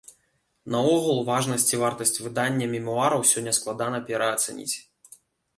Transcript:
Наогул, важнасць і вартасць выдання мемуараў сёння складана пераацаніць.